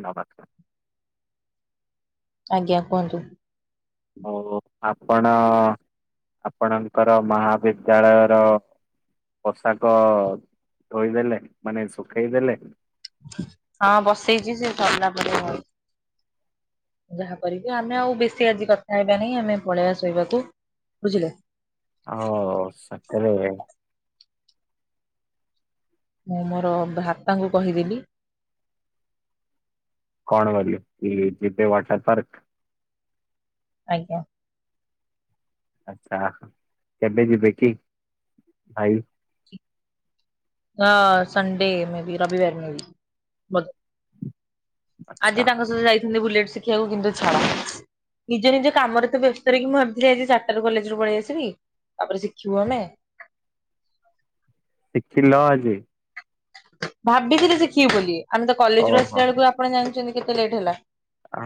ନମସ୍କାର। ଆଜ୍ଞା କୁହନ୍ତୁ। ଓ ଓ ଆପଣ ଆପଣଙ୍କର ମହାବିଦ୍ୟାଳୟର। ପୋଷାକ ଧୋଇଦେଲେଣି ମାନେ ଶୁଖେଇଦେଲେଣି? ହଁ ବସେଇଚି ସେ ସରିଲା ପରେ। [unintelligible] ଯାହା କରିବି ଆମେ ଆଉ ବେଶୀ ଆଜି କଥା ହେବା ନାଇଁ ଆମେ ପଳେଇବା ଶୋଇବାକୁ। ବୁଝିଲେ? ଓହୋ ସକାଳେ। ମୁଁ ମୋର ଭ୍ରାତାଙ୍କୁ କହିଦେବି। କଣ କହିଥିଲେ କି ଯିବେ ୱାଟର୍ ପାର୍କ୍? ଆଜ୍ଞ। ଆଚ୍ଛା କେବେ ଯିବେକି ଭାଇ? ଅ ସଣ୍ଡେ ମେ ବି ରବିିବାର ମେ ବି ବ ଆଚ୍ଛା ଆଜି ତାଙ୍କ ସହିତ ଯାଇଥାନ୍ତି ବୁଲେଟ୍ ଶିଖିବାକୁ କିନ୍ତୁ ଛାଡ। ନିଜ ନିଜ କାମରେ ତ ବ୍ୟସ୍ତ ରହିକି ମୁଁ ଭାବିଥିଲି ଆଜି ଚାରଟାରୁ କଲେଜରୁୁ ପଳେଇ ଆସିବି ତାପରେ ଶିଖିବୁ ଆମେ। ଶିଖିଲ ଆଜି? ଭାବିଥିଲି ଶିଖିବୁ ବୋଲି ଆମେ ତ କଲେଜରୁ ଓହୋ ଆସିଲା ବେଳୁକୁ ଆପଣ ଜାଣିଚନ୍ତି କେତେ ଲେଟ୍ ହେଲା।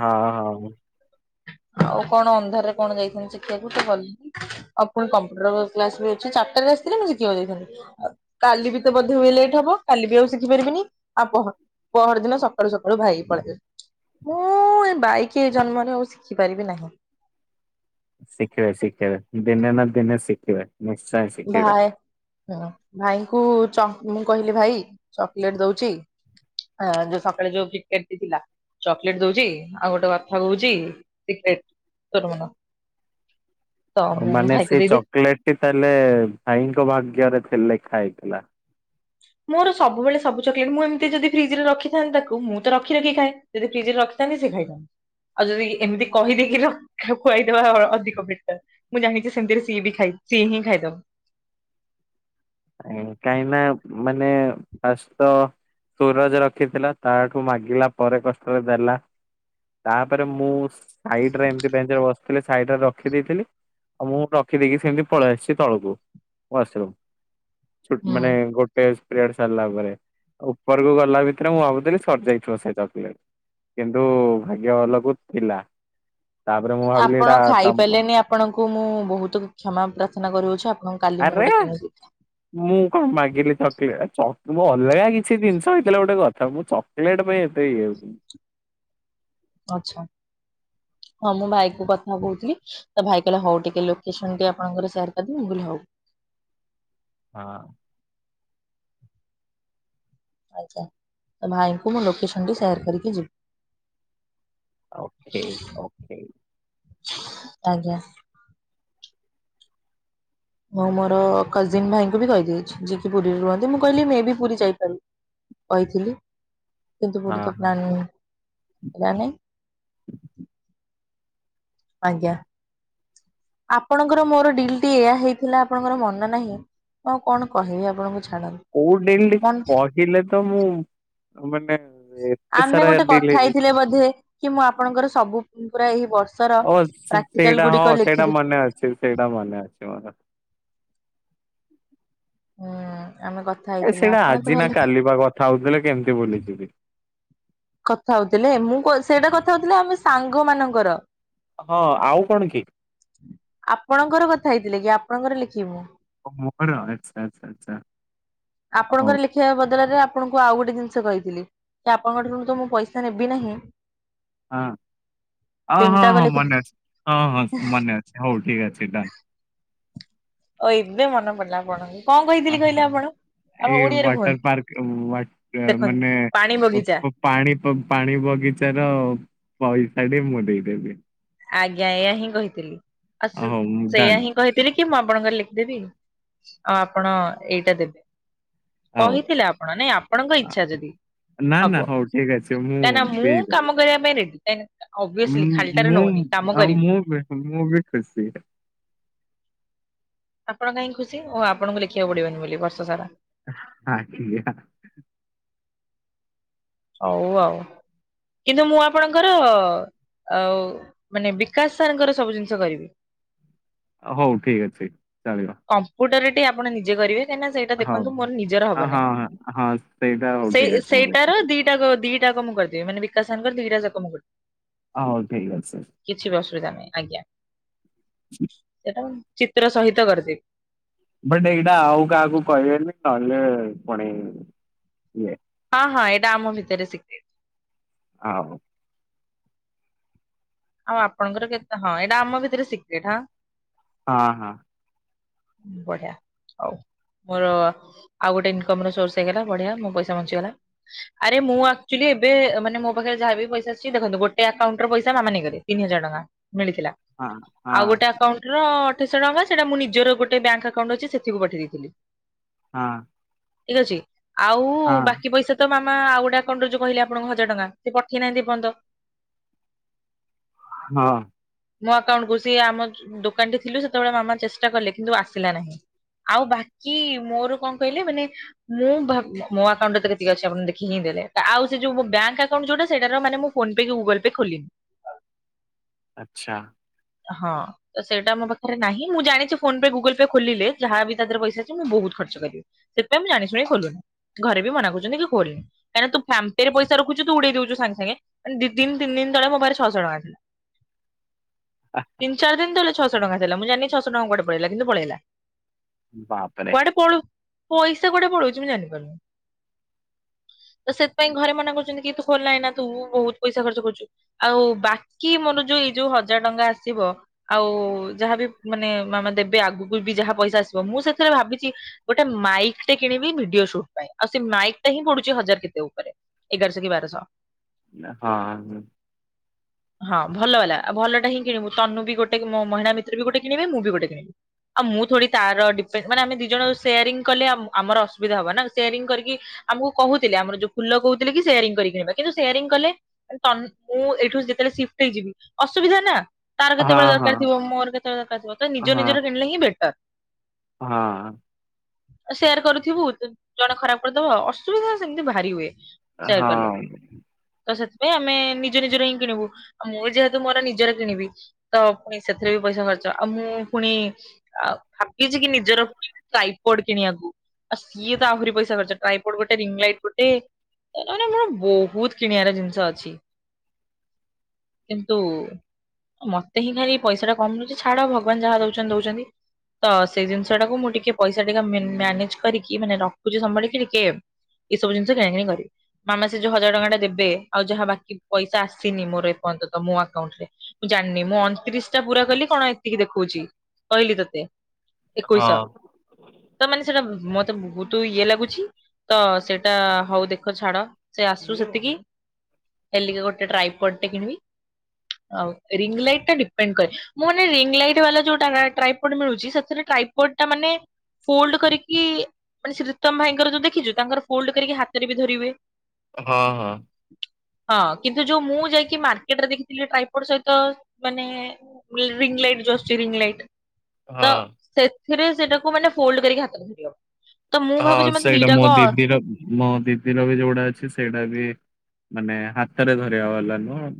ହଁ ହଉ। ଆଉ କଣ ଅନ୍ଧାରରେ କଣ ଯାଇଥାନ୍ତି ଶଖିବାକୁ ତ ଗଲିନି। ଆ ପୁଣି କମ୍ପ୍ୟୁଟର କ୍ଲାସ ବି ଅଛି ଚାରଟାରେ ଆସିଥିଲେ ମୁଁ ଶିଖିବାକୁ ଯାଇଥାନ୍ତି। କାଲି ବି ତ ବଧେ ହୁଏ ଲେଟ୍ ହବ? କାଲି ବି ଆଉ ଶିଖି ପାରିବିନି ଆ ପହର ପହରଦିନ ସକାଳୁ ସକାଳୁ ଭାଇକି ପଳେଇବି। ମୁଁ ଏ ବାଇକି ଏ ଜନ୍ମରେ ଆଉ ଶିଖିପାରିବି ନାହିଁ। ଶିଖିବେ ଶିଖିବେ ଦିନେ ନା ଦିନେ ଶିଖିବେ। ନିଶ୍ଚୟ ଶିଖିବେ ଭାଇ, ଭାଇଙ୍କୁ ଚ ମୁଁ କହିଲି ଭାଇ ଚକୋଲେଟ୍ ଦଉଚି ହ ଯୋଉ ସକାଳେ ଯୋଉ କିଟ୍ କଟ୍ ଟି ଥିଲା ଚକଲେଟ୍ ଦଉଚି, ଆଉ ଗୋଟେ କଥା କହୁଚି, ଟିକେ ଟିକେ ରହୁନ [inaudible] ଆଉ ମାନେ ସେଇ ଚକୋଲେଟ ଟି ତାହେଲେ, ଭାଇଙ୍କ ଭାଗ୍ୟ ରେ ଥିଲ୍ ଲେଖା ହେଇଥିଲା। ମୋର ସବୁବେଳେ ସବୁ ଚକୋଲେଟ୍, ମୁଁ ଏମତି ଯଦି ଫିଜରେ ରଖିଥାନ୍ତି ତାକୁ, ମୁଁ ତ ରଖି ରଖି ଖାଏ। ଯଦି ଫ୍ରଜ୍ ରେ ରଖିଥାନ୍ତି, ସେ ଖାଇଥାନ୍ତା। ଆଉ ଯଦି ଏମିତି କହିଦେଇକି ଲ କୁଆଇଦବା ଅଧିକ ବେଟର୍। ମୁଁ ଜାଣିଚି ସେମିତିରେ ସିଏ ବି ଖାଇ, ସିଏ ହିଁ ଖାଇଦବ। କାହିଁ ନା, ମାନେ ଫାଷ୍ଟ୍ ତ ସୂରଜ ରଖିଥିଲା, ତାଠୁ ମାଗିଲା ପରେ କଷ୍ଟରେ ଦେଲା। ତାପରେ ମୁଁ ସାଇଡରେ ଏମତି ବେଞ୍ଚ୍ ରେ ବସ୍ ଥିଲେ ସାଇଟ୍ ରେ ରଖି ଦେଇଥିଲି, ଆଉ ମୁଁ ରଖିଦେଇକି ସେମିତି ପଳେଇ ଆସିଚି ତଳକୁ, ୱାସରୁମ୍। ଛୋଟ୍ ହୁଁ। ମାନେ ଗୋଟ୍ [unintelligible] ସାରିଲା ପରେ, ଉପରକୁ ଗଲା ଭିତରେ ମୁଁ ଭାବୁଥିଲି ସରିଯାଇଥିବ ସେ ଚକଲେଟ୍। କିନ୍ତୁ ଭାଗ୍ୟ ଭଲକୁ ଥିଲା। ତାପରେ ମୁଁ ଭାବିଲି ଆପଣ ଏଇଟା ତମ ଖାଇପାରିଲେନି ଆପଣଙ୍କୁ ମୁଁ ବହୁତ କ୍ଷମା ପ୍ରାର୍ଥନା କରଉଛି, ଆପଣ ଆରେ ମୁଁ କଣ ମାଗିଲି ଚକିଲେ, ମୁଁ ଅଲଗା କିଛି ଜିନିଷ ହେଇଥିଲା ଗୋଟେ କଥା, ମୁଁ ଚ ପିଲାଟେ ପାଇଁ ଏତେ ଇଏ ହେଉଚନ୍ତି। ଆଛା, ହଁ ମୁଁ ଭାଇକୁ କଥା କହୁଥିଲି। ତ ଭାଇ କହିଲା ହଉ ଟିକେ ଲୋକେସନ୍ ଟି ଆପଣଙ୍କର ସେୟାର କରିଦେବି, ମୁଁ କହିଲି ହଉ। ହଁ। ଆଜ୍ଞା, ତ ଭାଇଙ୍କୁ ମୁଁ ଲୋକେସନ୍ ଟି ସେୟାର କରିକି ଯିବି। ଓକେ, ଓ ଆଜ୍ଞା। ମୁଁ ମୋର କଜିନ୍ ଭାଇଙ୍କୁ ବି କହିଦେଇଛି, ଯିଏକି ପୁରୀରେ ରୁହନ୍ତି, ମୁଁ କହିଲି ମେ ବି ପୁରୀ ଯାଇପାରିବି। କହିଥିଲି, କିନ୍ତୁ ପୁରୀ ହଁ ତ ପ୍ଲାନିଂ ହେଲା ନାହିଁ। [unintelligible] ଆଜ୍ଞା। ଆପଣଙ୍କର ମୋର ଡିଲ୍ ଟି ଏଇଆ ହେଇଥିଲା, ଆପଣଙ୍କର ମନେ ନାହିଁ ହଁ କଣ କହିବି ଆପଣଙ୍କୁ ଛାଡ଼ନ୍ତୁ। କୋଉ ଡିଲ୍ କହିଲେ ତ, ମୁଁ ମାନେ ଏତେ ଆମେ ସାରା ଗୋଟେ କଥା ଡିଲ୍ ହେଇ ହେଇଥିଲେ ବୋଧେ, କି ମୁଁ ଆପଣଙ୍କର ସବୁ ପୁରା ଏହି ବର୍ଷର ଓ ସେ- ପ୍ରାକ୍ଟିକାଲ ସେଇଟା ହଁ ଗୁଡିକ ସେଇଟା ଲେଖିଦେ ମନେ ଅଛି, ସେଇଟା ମନେ ଅଛି ମୋର। ହୁଁ, ଆମେ କ ଏ ସେଇଟା ଆଜି ନା କାଲିପା କଥା ହଉଥିଲେ, କେମିତି ଭୁଲିଯିବି? କଥା ହଉଥିଲେ, ମୁଁ ସେଇଟା କଥା ହଉଥିଲେ ଆମେ ସାଙ୍ଗ ମାନଙ୍କର। ହଁ, ଆଉ କଣ କି? ଆପଣଙ୍କର କଥା ହେଇଥିଲେ କି? ଆପଣଙ୍କର ଲେଖିବି ମୁଁ। ଓ ମୋର, ଆଛା ଆଛା ଆଛା। ଆପଣଙ୍କର ଲେଖ୍ ଲେଖିବା ବଦଳରେ ଆପଣଙ୍କୁ ଆଉ ଗୋଟେ ଜିନିଷ କହିଥିଲି, କି ଆପଣଙ୍କ ଠାରୁ ତ ମୁଁ ପଇସା ନେବି ନାହିଁ ହଁ ଅ, ହଁ ହଁ ତିନିଟାକ ହଁ ଲେଖି ମନେ ଅଛି, ହଁ ହଁ ମନେ ଅଛି, ହଉ ଠିକ୍ ଅଛି ଡନ୍। ଓ ଏବେ ମନେ ପଡିଲା ଆପଣଙ୍କୁ, କଣ କହିଥିଲି କହିଲେ ଆପଣ? ଆମ ଏଇ ଓଡିଆରେ କୁହନ୍ତୁ ୱାଟର ପାର୍କ ୱାଟ ଦେଖନ୍ତୁ ମାନେ ପାଣି ବଗିଚା [unintelligible] ପାଣି ପ ପାଣି ବଗିଚାର ପଇସା ଟି ମୁଁ ଦେଇଦେବି। ଆଜ୍ଞା ଏଇୟା ହିଁ କହିଥିଲି ଆଉ ଶୁ ହଉ ମୁଁ ସେଇୟା ଡନ୍ ହିଁ କହିଥିଲି କି ମୁଁ ଆପଣଙ୍କର ଲେଖିଦେବି ଆଉ ଆପଣ ଏଇଟା ଦେବ ହଉ କହିଥିଲେ ଆପଣ ନାଇଁ ଆପଣଙ୍କ ଇଚ୍ଛା ଯଦି ନା ନା ହବ। ହଉ ଠିକ ଅଛି ମୁଁ କାଁଇଁ ନା ମୁଁ ଦେଇଦେବି। କାମ କରିବା ପାଇଁ ରେଡି ଅଭିଅସଲି ଖାଲିଟାରେ ନଉନି। ହୁଁ କାମ ଅ କରିବି। ମୁଁ ବି ମୁଁ ବି ଖୁସି ଏଟା। ଆପଣ କାଇଁ ଖୁସି ଓ ଆପଣଙ୍କୁ ଲେଖିବାକୁ ପଡିବନି ବୋଲି ବର୍ଷ ସାରା। ଆ କିଆ ହଉ ଆଉ କିନ୍ତୁ ମୁଁ ଆପଣଙ୍କର ଆଉ ମାନେ ବିକାଶ ସାର ଙ୍କର ସବୁ ଜିନିଷ କରିବି। ହଉ ଠିକ ଅଛି ଚଳିବ। କମ୍ପ୍ୟୁଟର ଟି ଆପଣ ନିଜେ କରିବେ। କାଇଁ ନା ସେଇଟା ହଉ ଦେଖନ୍ତୁ ମୋର ନିଜର ହଁ ହବ ନାଇ ହଁ ହଁ ସେଇଟା ହଉ ଠିକ ସେଇ ଅଛି ମୁଁ ସେଇଟାର ଲେଖିଦେବି। ଦି ଦଟା ଦିଟା ଯାକ ମୁଁ କରିଦେବି ମାନେ ବିକାଶ ସାର ଙ୍କର ଦିଟା ଯାକ ମୁଁ କରିିବି। ହଉ ଠିକ୍ ଅଛି। କିଛି ବି ଅସୁବିଧା ନାଇ ଆଜ୍ଞା ସେଇଟା ମୁଁ ଚିତ୍ର ସହିତ କରିଦେବି। ବଟ ଏଇଟା ଆଉ କାହାକୁ କହିବେନି କହିଲେ ପୁଣି ଇଏ ହଁ ହଁ ଏଇଟା ଆମ ଭିତରେ ସିକ୍ରେଟ। ଆଉ ଆଉ ଆପଣଙ୍କର କେତେ ହଁ ଏଇଟା ଆମ ଭିତରେ ସିକ୍ରେଟ ହାଁ। ହଁ ହଁ। ବଢିଆ ହଉ। ମୋର ଆଉ ଗୋଟେ ଇନକମ ର ସୋର୍ସ ହେଇଗଲା ବଢିଆ ମୋ ପଇସା ବଞ୍ଚିଗଲା। ଆରେ ମୁଁ ଆକ୍ଚୁଆଲି ଏବେ ମାନେ ମୋ ପାଖରେ ଯାହା ବିି ପଇସା ଆଛି ଦେଖନ୍ତୁ ଗୋଟେ ଆକାଉଣ୍ଟ ର ପଇସା ମାମା ନେଇଗଲେ। ତିନି ହଜାର ଟଙ୍କା ମିଳିଥିଲା ହଁ ହଁ ଆଉ ଗୋଟେ ଆକାଉଣ୍ଟ ର ଅଠେଇଶହ ଟଙ୍କା ସେଇଟା ମୁଁ ନିଜର ଗୋଟେ ବ୍ୟାଙ୍କ ଆକାଉଣ୍ଟ ଅଛି ସେଥିକୁ ପଠେଇ ଦେଇଥିଲି। ହଁ। ଠିକ ଅଛି ଆଉ ହଁ ବାକି ପଇସା ତ ମାମା ଆଉ ଗଟେ ଆକାଉଣ୍ଟରୁ ଯୋଉ କହିଲି ଆପଣଙ୍କୁ ହଜାର ଟଙ୍କା ପଠେଇନାହାନ୍ତି ଏ ପଯ୍ୟନ୍ତ ହଁ। ମୋ ଆକାଉଣ୍ଟକୁୁ ସେ ଆମ ଦୋକାନ ଠି ଥିଲୁ ସେତେବେଳେ ମାମା ଚେଷ୍ଟା କଲେ କିନ୍ତୁ ଆସିଲା ନାହିଁ। ଆଉ ବାକି ମୋର କଣ କହିଲେ ମାନେ ମୁଁ ଭା ମୋ ଆକାଉଣ୍ଟରେ ତ କେତିକି ଅଛି ଆପଣ ଦେଖି ହିଁ ଦେଲେ ଆଉ ସେ ଯୋଉ ମୋ ବ୍ୟାଙ୍କ ଆକାଉଣ୍ଟ ଯୋଉଟା ସେଇଟାର ମାନେ ମୁଁ ଫୋନ ପେ କି ଗୁଗଲ ପେ ଖୋଲିନି। ଆଚ୍ଛା। ହଁ। ତ ସେଇଟା ମୋ ପାଖରେ ନାହିଁ ମୁଁ ଜାଣିଚି ଫୋନ ପେ ଗୁଗୁଲ୍ ପେ ଖୋଲିଲେ ଯାହା ବି ତା ଦେହରେ ପଇସା ଅଛି ମୁଁ ବହୁତ ଖର୍ଚ୍ଚ କରିବି। ସେପାଇଁ ମୁଁ ଜାଣି ଶୁଣି ଖୋଲୁନି ଘରେ ବି ମନା କରୁଛନ୍ତି କି ଖୋଲେନି। କାଁଇ ନା ତୁ ଫାନ ପେରେ ପଇସା ରଖୁଚୁ ଉଡେଇ ଦଉଛୁ ସାଙ୍ଗ ସାଙ୍ଗେ ମାନ ଦିଦିନି ତିିନି ଦିନ ତଳେ ମୋ ପାଖରେ ଛଶହ ଟଙ୍କା ଥିଲା। ଆ। ତିନ ଚାର ଦିନ ତଳେ ଛଅଶ ଟଙ୍କା ଥିଲା ମୁ ଜାଣିନି ଛଅଶ ଟଙ୍କା କୁଆଡେ ପଳେଇଲା କିନ୍ତୁ ପଳେଇଲା। ବାପରେ। କୁଆଡେ ପଳଉ ପଇସା କୁଅଡେ ପଳଉଚି ମୁଁ ଜାଣିପାରୁନି। ତ ସେଥିପାଇଁ ଘରେ ମନା କରୁଛନ୍ତି କି ତୁ ଖୋଲନା ଏନା ତୁ ବହୁତ ପଇସା ଖର୍ଚ କରୁଚୁ। ଆଉ ବାକି ମୋର ଯୋଉ ଏଇ ଯୋଉ ହଜାର ଟଙ୍କା ଆସିବ ଆଉ ଯାହାବି ମାନେ ମାମା ଦେବେ ଆଗକୁ ବି ଯାହା ପଇସା ଆସିବ ମୁଁ ସେଥିରେ ଭାବିଚି ଗୋଟେ ମାଇକ୍ ଟେ କିଣିବି ଭିଡିଓ ସୁଟ୍ ପାଇଁ ଆଉ ସେ ମାଇକ୍ ଟା ହିଁ ପଡୁଚି ହଜାର କେତେ ଉପରେ ଏଗାରଶହ କି ବାରଶହ। ନା, ହଁ, ହୁଁ। ହଁ, ଭଲ ହେଲା ଆଉ ଭଲ ହିଁ କିଣିବୁ ତନୁ ବି ଗୋଟେ ମୋ ମହିଳା ମିତ୍ରବି ଗୋଟେ କିଣିବ ମୁଁ ବି ଗୋଟେ କିଣିବି। ଆଉ ମୁଁ ଥୋଡୀ ତାର ଡିପେଣ୍ଡ ମାନେ ଆମେ ଦି ଜଣ ସେୟାରିଂ କଲେ ଆମର ଅସୁବିଧା ହବ ନା ସେୟାରିଂ କରିକି ଆମକୁ କହୁଥିଲେ ଆମର ଯୋଉ ଫୁଲ କହୁଥିଲେ କି ସେୟାରିଂ କରିକି ନେବା କିନ୍ତୁ ସେୟାରିଂ କଲେ ତନୁ ମୁଁ ଏଇଠୁ ଯେତେବେଳେ ସିଫ୍ଟ ହେଇଯିବି ଅସୁବିଧା ନା ତାର କେତେବେଳେ ହଁ ହଁ ଦରକାର ଥିବ ମୋର କେତେବେଳେ ଦରକାର ଥିବ ତ ନିଜ ହଁ ନିଜର କିଣିଲେ ହିଁ ବେଟର। ହଁ। ସେୟାର କରୁଥିବୁ ଜଣେ ଖରାପ କରିଦବ ଅସୁବିଧା ସେମିତି ଭାରି ହୁଏ। ସେୟାର କଲେ ହଁ। ତ ସେଥିପାଇଁ ଆମେ ନିଜ ନିଜର ହିଁ କିଣିବୁ ଆଉ ମୁଁ ଯେହେତୁ ମୋର ନିଜର କିଣିବି ତ ପୁଣି ସେଥିରେ ବି ପଇସା ଖର୍ଚ୍ଚ ଆଉ ମୁଁ ପୁଣି ଆଉ ଭାବିଛି କି ନିଜର ଟାଇପଡ କିଣିବାକୁ। ଆ ସିଏ ତ ଆହୁରି ପଇସା ଖର୍ଚ୍ଚ ଟ୍ରାଇପୋଡ ଗୋଟେ ରିଙ୍ଗ ଲାଇଟ ଗୋଟେ ତା ମାନେ ମର ବହୁତ କିଣିବାର ଜିନିଷ ଅଛି। କିନ୍ତୁ ମତେ ହିଁ ଖାଲି ପଇସା ଟା କମ ନଉଛି ଛାଡ ଭଗବାନ ଯାହା ଦଉଛନ୍ତି ଦଉଛନ୍ତି। ତ ସେଇ ଜିନିଷ ଟାକୁ ମୁଁ ଟିକେ ପଇସା ଟିକେ ମ୍ୟାନେଜ କରିକି ମାନେ ରଖୁଛି ସମ୍ଭଳିକି ଟିକେ ଏସବୁ ଜିନିଷ କିଣା କିଣିି କରିବି। ମାମା ସେ ଯୋଉ ହଜାର ଟଙ୍କା ଟା ଦେବେ ଆଉ ଯାହା ବାକି ପଇସା ଆସିନି ମୋର ଏପର୍ଯ୍ୟନ୍ତ ମୋ ଆକାଉଣ୍ଟ ରେ। ମୁଁ ଜାଣିନି ମୁଁ ଅଣତିରିଶ ଟା ପୁରା କଲି କଣ ଏତିକି ଦେଖଉଛି କହିଲି ତୋତେ। ଏକୋଇଶ ହଁ ତ ମାନେ ସେଟା ମତେ ବହୁତ ଇଏ ଲାଗୁଛି। ତ ସେଇଟା ହଉ ଦେଖ ଛାଡ ସେ ଆସୁ ସେତିକି। ହେଲିକା ଗୋଟେ ଟ୍ରାଇପଡ୍ ଟେ କିଣିବି। ଆଉ ରିଙ୍ଗ ଲାଇଟ୍ ଟା ଡିପେଣ୍ଡ କରେ। ମୁଁ ନା ରିଙ୍ଗ ଲାଇଟ ବାଲା ଯୋଉଟା ନା ଟ୍ରାଇପଡ୍ ମିଳୁଛି ସେଥିରେ ଟ୍ରାଇଫ୍ରଡ ଟା ମାନେ ଫୋଲଡ୍ କରିକି ମାନେ ଶ୍ରୀତମ୍ ଭାଇଙ୍କର ଯୋଉ ଦେଖିଛୁ ତାଙ୍କର ଫୋଲଡ କରିକି ହାତରେ ବି ଧରି ହୁଏ। ହଁ, ହଁ। ହଁ କିନ୍ତୁ ଯୋଉ ମୁଁ ଯାଇକି ମାର୍କେଟରେ ଦେଖିଥିଲି ଟ୍ରାଇ ଆ ସହିତ ମାନେ ରିଙ୍ଗ ଲାଇଟ୍ ଆସୁଛି ରିଙ୍ଗ ଲାଇଟ୍ ତ ହଁ। ସେ [unintelligible] ସେଥିରେ ସେଇଟାକୁ ମାନେ ଫୋଲଡ୍ କରିକି ହାତ ରଖିଦିଅ। ହଁ ସେଇଟା ମୋ ଦିଦିର ମୋ ଦିଦିର ବି ଯୋଉଟା ଅଛି ସେଇଟା ବି ମାନେ ହାତରେ ଧରିବା ବାଲା ନୁହଁ।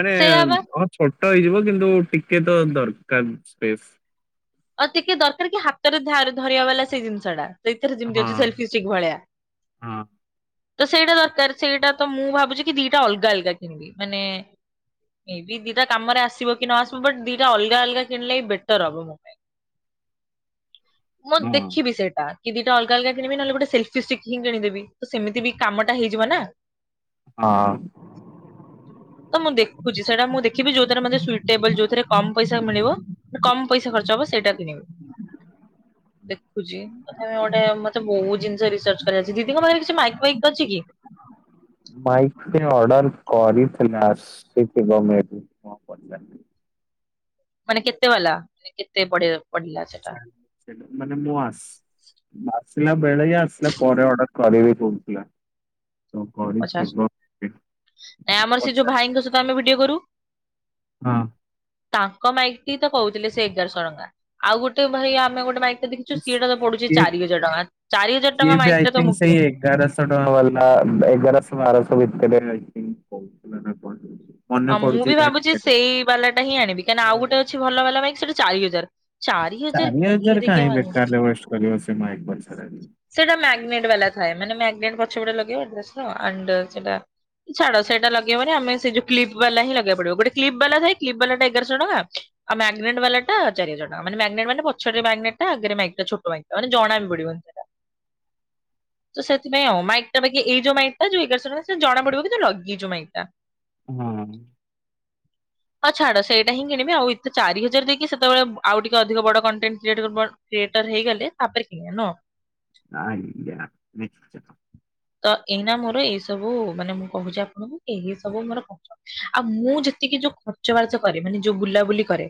ମାନେ ସେଇଆ ବା ହଁ ଛୋଟ ହେଇଯିବ କିନ୍ତୁ ଟିକେ ତ ଦରକାର ସ୍ପେସ ଆଉ ଟିକେ ଦରକାର କି ହାତରେ ଧାର୍ ଧରିବା ବାଲା ସେଇ ଜିନିଷ ଟା। ଭିତରେ ଯେମିତି ହଁ ଅଛି ସେଲଫି ଷ୍ଟିକ୍ ଭଳିଆ ହଁ ତ ସେଇଟା ଦରକାର ସେଇଟା ତ ମୁଁ ଭାବୁଛି କି ଦିଟା ଅଲଗା ଅଲଗା କିଣିବି ମାନେ ଏ ବି ଦିଟା କାମରେ ଆସିବ କି ନ ଆସିବ ବଟ୍ ଦିଟା ଅଲଗା ଅଲଗା କିଣିଲେ ହି ବେଟର ହବ ମୋ ପାଇଁ। ମୁଁ ହଁ ଦେଖିବି ସେଇଟା କି ଦିଟା ଅଲଗ ଅଲଗା କିଣିବି ନହଲେ ଗୋଟେ ସେଲଫିଷ୍ଟିକ୍ ହିଁ କିଣିଦେବି ତ ସେମତି ବି କାମଟା ହେଇଯିବ ନା ହଁ। ତ ମୁଁ ଦେଖୁଛି ସେଇଟା ମୁଁ ଦେଖିବି ଯୋଉଥିରେ ମେ ସୁଇଟେବଲ ଯୋଉଥିରେ କମ ପଇସା ମିଳିବ କମ ପଇସା ଖର୍ଚ୍ଚ ହବ ସେଇଟା କିଣିବି ଦେଖୁଛି। ତଥାପି ଗୋଟେ ମତେ ବହୁ ଜିନ୍ସ ରିସର୍ଚ କରିବାର ଛି ଦିଦିଙ୍କ ପାଖରେ କିଛି ମାଇକ୍ ଫାଇକ୍ ଅଛି କି? ମାଇକ୍ ପାଇଁ ଅର୍ଡର କରିଥିଲା ଆରସିକ ବନେଇଛି। ମାନେ କେତେ ବାଲା କେତେ ପଡିବ? ଚାଳିଶି ଦେଲୁ ମାନେ ମୁଁ ଆସ ଆସିଲା ବେଳେ ଆସିଲା ପରେ ଅଡର କରିବି କହୁଥିଲା। ତ ପଚାଶ କରିଥିବ। ନାଏଁ ଆମର ସେ ଯୋଉ ପଚାରିବି ଭାଇଙ୍କ ସହିତ ଆମେ ଭିଡିଓ କରୁ ହୁଁ ତାଙ୍କ ମାଇକି ତ କହୁଥିଲେ ସେ ଏଗାରଶହ ଟଙ୍କା ଆଉ ଗୋଟେ ଭଇ ଆମେ ଗୋଟେ ମାଇକ ସେଦେଖୁ ସିଏଟା ତ ପଡୁଛି ଚାରି ହଜାର ଟଙ୍କ ଚାରି ହଜାର ଟଙ୍କା ମାଇକ୍ ଟା ଦବୁକି? ତେରଶ ଟଙ୍କା ବାଲା ଏଗାରଶହ ଟଙ୍କା [unintelligible] ବାଲା ଏଗାରଶହ ବାରଶହ ଭିତରେଇ କ ନା କଣ ମନେ ଅମୁଁ ପଡୁଛି ବି ଯାହା ଭାବୁଛି ଟିକେ ଟିକେ ସେଇ ବାଲାଟା ହିଁ ଆଣିବି କାଇନା ଆଉ ଗୋଟେ ଅଛି ଭଲ ବାଲା ବାଇକ୍ ସେଇଟା ଚାରି ହଜାର ଚାରି ହଜାର କିଏ ଦେଇକି ଆଣିବ। ପରିବେଶ ମାାଇକ ବନ୍ଦ ସରା ଆଜି। ସେଇଟା ମଗ୍ନେଟ୍ ବାଲା ଥାଏ ମାନେ ମାଗ୍ନେଟ ପଛ ପଟେ ଲଗେଇବା ସେଟା [unintelligible] ଛାଡ ସେହିଟା ଲଗେଇହବନି ଆମେ ସେ ଯୋଉ କ୍ଲିପ ବାଲା ହିଁ ଲଗେଆକୁ ପଡିବ ଗୋଟେ କ୍ଲିପ ବାଲାଥାଏ କ୍ଲିପ ବାଲା ଏଗାରଶହ ଟଙ୍କା ଆଉ ମଗ୍ନେଟେ ବାଲା ଟା ଚାରିଜାର ଟଙ୍କା ମାନେ ମାଗ୍ନଟେ ମାନେ ପଛରେ ମାଗ୍ନେଟା ଆଗରେ ମାଇକ୍ ଛୋଟ ମାଇକ ଟା ମାନେ ଜଣା ବି ପଡିବନି। ସେ ସେଥିପାଇଁ ଆଉ ମାଇକି ଟା ବାକି ଏଇ ଯୋଉ ମାଇକ୍ ଟା ଯୋଉ ଏଗାରଶହ ଟଙ୍କା ସେ ଜଣା ପଡିବ କି ଯେ ଲଗି ଯୋଉ ମାଇକା ଟା ହୁଁ [inaudible] ହଁ ଛାଡ ସେଇଟା ହିଁ କିଣିବି ଆଉ ଏତେ ଚାରି ହଜାର ଦେଇକି ସେତେବେଳେ ବ ଆଉ ଟିକେ ଅଧିକ ବଡ କଣ୍ଟେନ୍ସ କ୍ରିଏଟିଭ ବଡ ଥିଏଟର ହେଇଗଲେ ତାପରେ କିଣିବା ନୁହଁ? ହଁ ନି ନି୍ଚଚ [unintelligible] ତ ଏଇନା ମୋର ଏଇ ସବୁ ମାନେ ମୁଁ କହୁଛି ଆପଣଙ୍କୁ ଏଇ ସବୁ ମୋର କଷ୍ଟ। ଆଉ ମୁଁ ଯେତିକି ଯୋଉ ଖର୍ଚ୍ଚ ବାର୍ଚ୍ଚ କରିବିନି ଯୋଉ ବୁଲାବୁଲି କରେ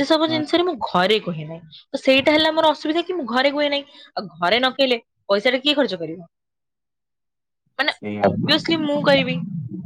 ସେ ସବୁ ଜିନିଷରେ ମୁଁ ଘରେ କୁହେ ନାହିଁ ତ ସେଇଟା ହେଲା ମୋର ଅସୁବିଧା କି ମୁଁ ଘରେ କୁହେ ନାହିଁ। ଅଗ ଘରେ ନକହିଲେ ପଇସା ଟା କିଏ ଖର୍ଚ୍ଚ କରିବ? ମାନେ ସେଇଆ ଅବ୍ୟସିଲ୍ ମୁଁ କହିବି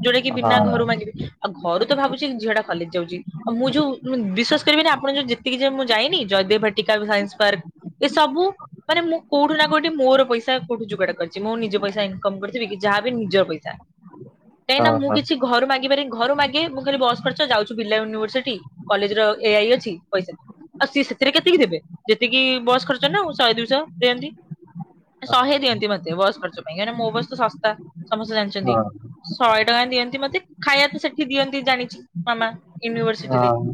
ଯୋଉଟା କି ହଁ ବିନା ଘରୁ ମାଗିବି ଆଉ ଘରୁ ତ ଭାବୁଛି ଝିଅ ଟା କଲେଜ ଯାଉଛି। ଆ ମୁଁ ଯୋଉ ବିଶ୍ବାସ କରିବେନି ଆପଣ ଯୋଉ ଯେତିକି ଯା ମୁଁ ଯାଇନି ଜୟଦେବ ବାଟିକା ସାଇନ୍ସ ପାର୍କ ଏ ସବୁ ମାନେ ମୁଁ କୋଉଠୁ ନା କୋଉଠି ମୋର ପଇସା କୋଉଠୁ ଯୋଗାଡ କରିଛି ମୋ ନିଜ ପଇସା ଇନକମ୍ କରିଥିବି କି ଯାହା ବି ନିଜ ପଇସା। କାହିଁକି ନା ହଁ ମୁଁ ହଁ କିଛି ଘରୁ ମାଗି ପାରିବିନି ଘରୁ ମାଗେ ମୁଁ ଖାଲି ବସ ଖର୍ଚ୍ଚ ଯାଉଛୁ ବିର୍ଲା ୟୁନିଭର୍ସିଟି। କଲେଜ ର ଏଆଇ ଅଛି ପଇସା ଦିଅ ଆଉ ସିଏ ସେଥିରେ କେତିକି ଦେବେ? ଯେତିକି ବସ୍ ଖର୍ଚ୍ଚ ନା ଆଉ ଶହେ ଦୁଇଶହ ଦିଅନ୍ତି। ଶହେ ଦିଅନ୍ତି ମତେ ବସ୍ ଖର୍ଚ୍ଚ ପାଇଁ ହେଲେଁ ମୋ ବସ୍ ତ ଶସ୍ତା ସମସ୍ତେ ଜାଣିଛନ୍ତି। ହଁ ହଁ। ଶହେ ଟଙ୍କା ଦିଅନ୍ତି ମତେ ଖାଇବା ତ ସେଠି ଦିଅନ୍ତି ଜାଣିଛି। ମାମା ୟୁନିଭରସିଟିରେ ହଁ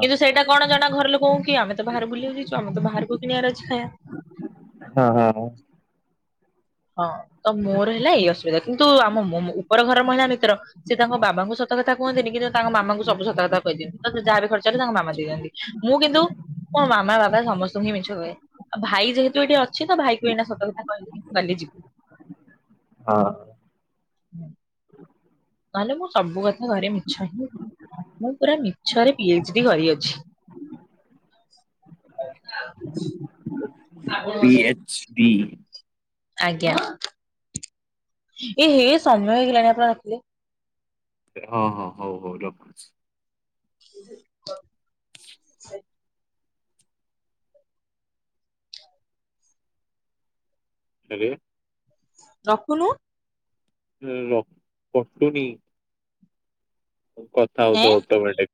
କିନ୍ତୁ ସେଇଟା କଣ ଜଣା ଘର ଲୋକଙ୍କୁ କିଏ ଆମେ ତ ବାହାର ବୁଲିବାକୁ ଯାଇଛୁ ଆମେ ତ ବାହାରକୁ କିଣିବାର ଅଛି ଖାଆ। ହଁ ହଁ ହଁ ହଁ ତ ମୋର ହେଲା ଏଇ ଅସୁବିଧା କିନ୍ତୁ ଆମ ମୋ ମୋ ଉପର ଘର ମହିଳା ନି ତର ସେ ତାଙ୍କ ବାବାଙ୍କୁ ସତ କଥା କୁହନ୍ତିନି କିନ୍ତୁ ତାଙ୍କ ମାମାଙ୍କୁ ସବୁ ସତକଥା କହିଦିଅନ୍ତି ତ ଯାହା ବି ଖର୍ଚ୍ଚ ହେଲା ତାଙ୍କ ମାମା ଦିଅନ୍ତି। ମୁଁ କିନ୍ତୁ ମୋ ମାମା ବାବା ସମସ୍ତଙ୍କୁ ହିଁ ମିଛ କୁହେ ଆ ଭାଇ ଯେହେତୁ ଏଇଠି ଅଛି ତ ଭାଇ କୁ ଏଇନେ ସତ କଥା କହିଲି। କାଲି ଯିବ ହଁ। ନହେଲେ ମୁଁ ସବୁ କଥା ଘରେ ମିଛ ହିଁ, ମୁଁ ପୁରା ମିଛରେ ପି ଏଚ ଡି କରିଅଛି। P H D. ଆଜ୍ଞା ଏ ହେ ସମୟ ହେଇଗଲାଣି ଆପଣ ରଖିଲେ। ହଁ- ହଁ ହଉ ହଉ ର ହୁଛି। [unintelligible] ଆରେ ରଖୁନୁ। ହୁଁ। ରଖୁଚି। କଥା ଏଁ। ହଉଥିବ ଅଟୋମେଟିକ୍